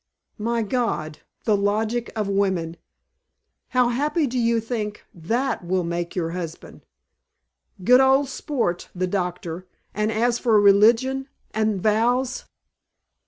"My God! The logic of women! How happy do you think that will make your husband? Good old sport, the doctor and as for religion and vows!"